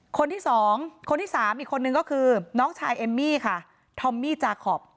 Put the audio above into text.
คนที่สองคนที่สามอีกคนนึงก็คือน้องชายเอมมี่ค่ะทอมมี่จาคอป